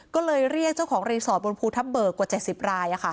ก็เลยเรียกเจ้าของรีสอร์ทบนภูทับเบิกกว่า๗๐ราย